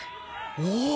おお！